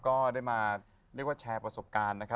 ก็ได้มาเรียกว่าแชร์ประสบการณ์นะครับ